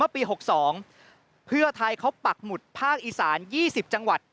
ก็ปีหกสองเพื่อไทยเขาปักหมุดภาคอีสานยี่สิบจังหวัด